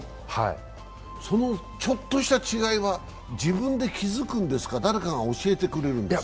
そのちょっとした違いは自分で気づくんですか、誰かが教えてくれるんですか？